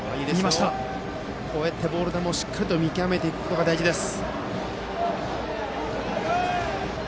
こうやってボール球をしっかりと見極めるのが大事です。